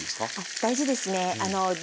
大事ですね。